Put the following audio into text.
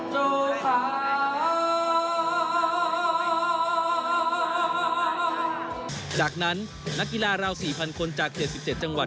จากนั้นนักกีฬาเรา๔๐๐คนจาก๗๗จังหวัด